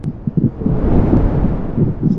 তোমার মনে কোন কিছুরই যেন প্রভাব পড়ে না।